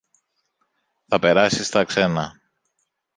θα περάσει στα ξένα